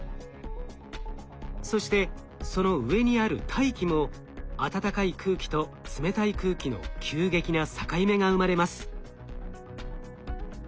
そしてその上にある大気も暖かい空気と冷たい空気の急激な境目が生まれます。